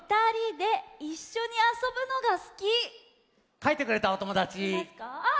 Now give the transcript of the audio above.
かいてくれたおともだち？あっ！